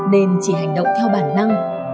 nên chỉ hành động theo bản năng